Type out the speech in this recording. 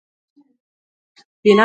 هر سړی په خپل کور کي خوشحاله دی